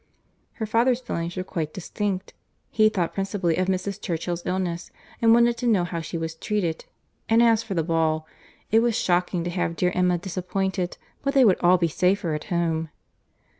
Her father's feelings were quite distinct. He thought principally of Mrs. Churchill's illness, and wanted to know how she was treated; and as for the ball, it was shocking to have dear Emma disappointed; but they would all be safer at home.